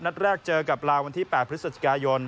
นัดแรกเจอกับลาววันที่๘พฤศจิกายน